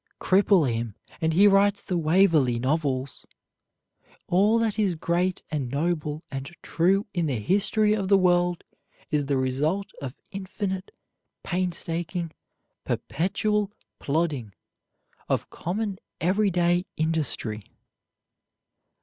Cripple him, and he writes the Waverley Novels. All that is great and noble and true in the history of the world is the result of infinite painstaking, perpetual plodding, of common every day industry.